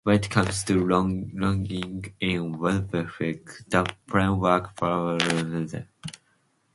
When it comes to logging in WebFlux, the framework provides several options.